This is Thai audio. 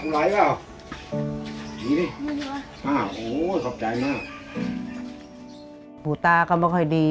อำอำหนูช่องไหวนะ